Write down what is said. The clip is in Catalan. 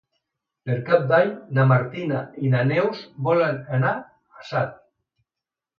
Per Cap d'Any na Martina i na Neus volen anar a Salt.